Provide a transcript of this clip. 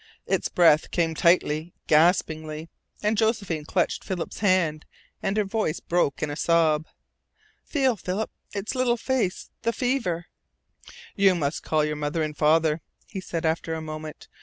Its breath came tightly, gaspingly, and Josephine clutched Philip's hand, and her voice broke in a sob. "Feel, Philip its little face the fever " "You must call your mother and father," he said after a moment.